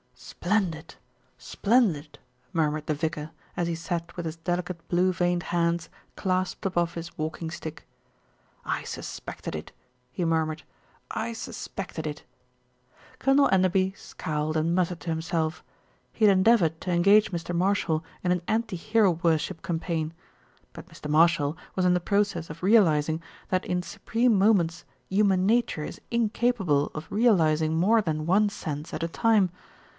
"Splendid ! Splendid !" murmured the vicar, as he sat with his delicate blue veined hands clasped above his walking stick. "I suspected it," he murmured, "I suspected it." Colonel Enderby scowled and muttered to himself. He had endeavoured to engage Mr. Marshall in an anti hero worship campaign; but Mr. Marshall was in the process of realising that in supreme moments human nature is incapable of realising more than one sense at a time.